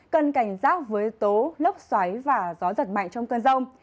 cần cảnh giác với tố lốc xoáy và gió giật mạnh trong cơn rông